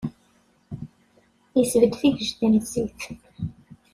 Isbedd tigejda n zzit.